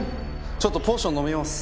ちょっとポーション飲みます。